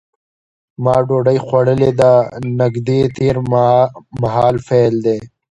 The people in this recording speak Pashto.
ما ډوډۍ خوړلې ده نږدې تېر مهال فعل دی.